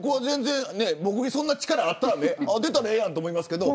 僕に、そんな力があったらね出たらええやんと思うけど。